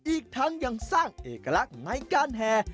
อีกทั้งยังสร้างเอกลักษณ์ในการแห่